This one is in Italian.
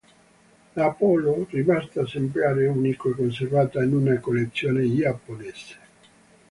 La Apollo, rimasta esemplare unico, è conservata in una collezione giapponese.